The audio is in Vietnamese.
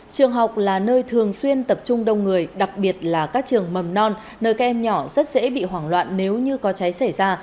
trường học là nơi thường xuyên tập trung đông người đặc biệt là các trường mầm non nơi các em nhỏ rất dễ bị hoảng loạn nếu như có cháy xảy ra